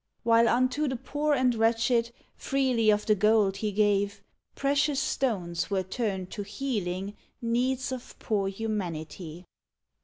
While unto the poor and wretched Freely of the gold gave he; Precious stones were turned to healing Needs of poor humanity!